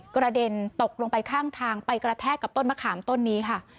กระเด็นตกลงไปข้างทางไปกระแทกกับต้นมะขามต้นนี้ค่ะ